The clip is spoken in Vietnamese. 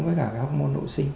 với cả cái hormone nội sinh